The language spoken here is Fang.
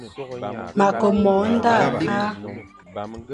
Ma Ke mo e nda kale,